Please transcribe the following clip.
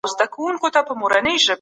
په زړه کي به مو یوازي مینه وي.